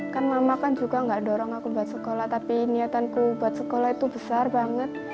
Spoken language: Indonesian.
kan mama kan juga nggak dorong aku buat sekolah tapi niatanku buat sekolah itu besar banget